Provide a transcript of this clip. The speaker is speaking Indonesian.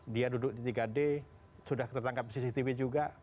dia duduk di tiga d sudah tertangkap cctv juga